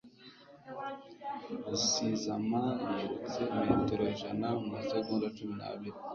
Rusizama yirutse metero ijana mumasegonda cumi n'abiri.